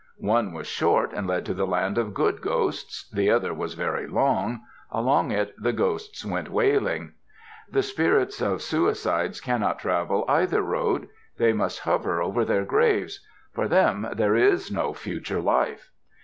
One was short and led to the land of good ghosts. The other was very long; along it the ghosts went wailing. The spirits of suicides cannot travel either road. They must hover over their graves. For them there is no future life.